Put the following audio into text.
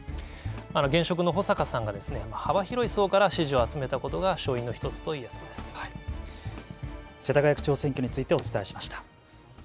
現職の保坂さんが幅広い層から支持を集めたことが世田谷区長選挙について、お伝えしました。